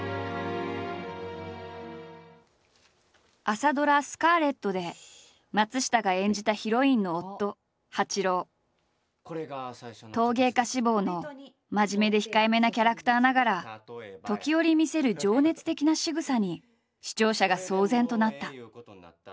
朝ドラ「スカーレット」で松下が演じた陶芸家志望の真面目で控えめなキャラクターながら時折見せる情熱的なしぐさに視聴者が騒然となった。